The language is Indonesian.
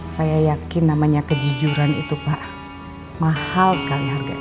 saya yakin namanya kejujuran itu pak mahal sekali harganya